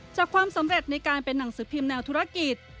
ความสำเร็จในการเป็นหนังสือพิมพ์แนวธุรกิจ